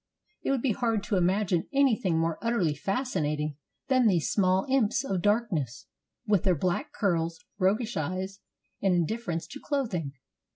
It would be hard to im agine anything more utterly fascinating than these small imps of darkness, with their black curls, roguish eyes, and indifference to clothing.